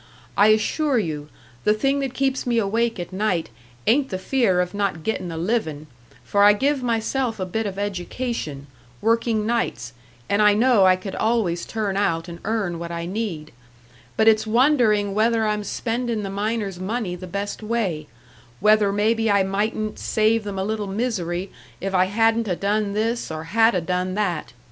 I assure you, the thing that keeps me awake at night ain't the fear of not gettin' a living, for I give myself a bit of education, working nights, and I know I could always turn out and earn what I need; but it's wondering whether I'm spending the miners' money the best way, whether maybe I mightn't save them a little misery if I hadn't 'a' done this or had 'a' done that.